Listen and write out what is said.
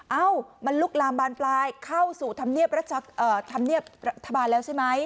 เอ้ามันลุกลามบานปลายเข้าสู่ธรรมเนียบรัฐบาลแล้วใช่ไหม